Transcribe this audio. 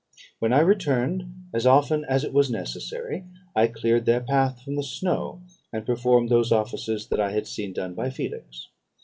When I returned, as often as it was necessary, I cleared their path from the snow, and performed those offices that I had seen done by Felix.